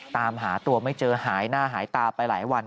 ตามหาตัวไม่เจอหายหน้าหายตาไปหลายวัน